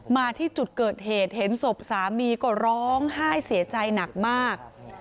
มาที่จุดเกิดเหตุเห็นศพสามีก็ร้องไห้เสียใจหนักมาก